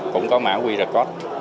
cũng có mã quy rắc